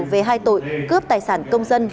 về hai tội cướp tài sản công dân